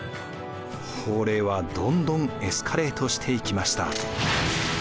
法令はどんどんエスカレートしていきました。